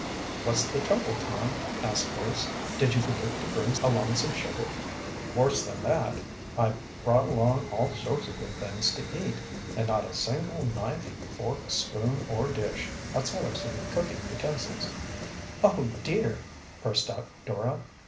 "What's the trouble, Tom?" asked Grace. "Did you forget to bring along some sugar?" "Worse than that. I brought along all sorts of good things to eat, and not a single knife, fork, spoon, or dish outside of some cooking utensils." "Oh, dear!" burst out Dora.